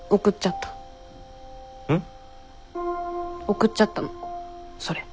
送っちゃったのそれ。